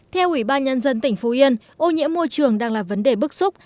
theo ủy ban nhân dân tỉnh phú yên ô nhiễm môi trường đang là vấn đề bức xúc